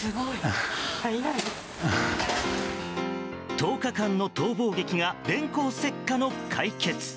１０日間の逃亡劇が電光石火の解決。